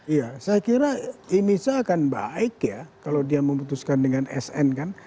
iya saya kira image nya akan baik ya kalau dia memutuskan dengan sn kan